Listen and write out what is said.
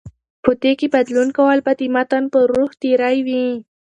په دې کې بدلون کول به د متن پر روح تېری وي